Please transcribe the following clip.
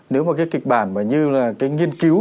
nếu mà cái kịch bản mà như là cái nghiên cứu